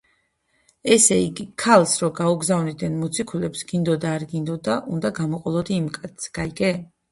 ესე იგი, ქალს რო გაუგზავნიდნენ მოციქულებს გინდოდა არ გინდოდა, უნდა გაყოლოდი იმ კაცს, გაიგე?